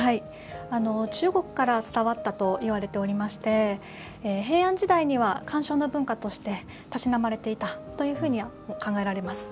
中国から伝わったといわれておりまして平安時代には観賞の文化としてたしなまれていたと考えられます。